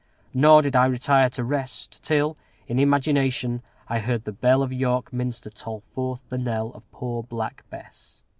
Nor did I retire to rest till, in imagination, I heard the bell of York Minster toll forth the knell of poor Black Bess.